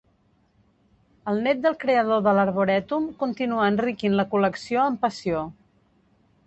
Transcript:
El nét del creador de l'arborètum continua enriquint la col·lecció amb passió.